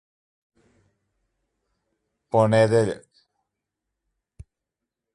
To achieve acceptable performance, most heavy fighters were twin-engined, and many had multi-place crews.